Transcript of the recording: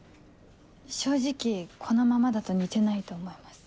正直このままだと似てないと思います。